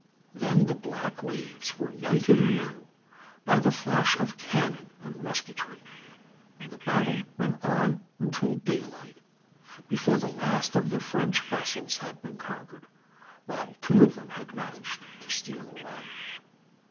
Then the black waves were lighted anew by the flash of cannon and musketry, and the battle went on until daylight before the last of the French vessels had been conquered, while two of them had managed to steal away.